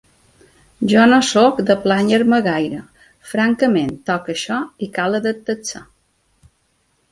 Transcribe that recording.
Jo no sóc de plànyer-me gaire, francament: toca això i cal adaptar-se.